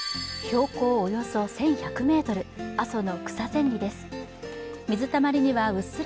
標高およそ１１００ｍ阿蘇の草千里です